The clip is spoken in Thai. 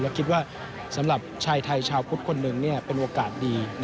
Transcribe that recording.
แล้วคิดว่าสำหรับชายไทยชาวพุทธคนหนึ่งเป็นโอกาสดี